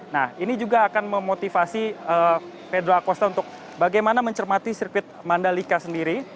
nah ini juga akan memotivasi pedro acosta untuk bagaimana mencermati sirkuit mandalika sendiri